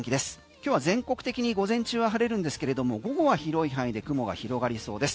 今日は全国的に午前中は晴れるんですけれども午後は広い範囲で雲が広がりそうです。